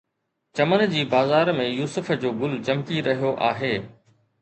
چمن جي بازار ۾ يوسف جو گل چمڪي رهيو آهي